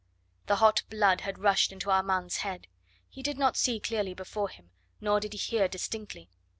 The hot blood had rushed into Armand's head. He did not see clearly before him, nor did he hear distinctly.